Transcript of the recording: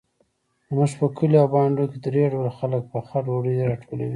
زموږ په کلیو او بانډو کې درې ډوله خلک پخه ډوډۍ راټولوي.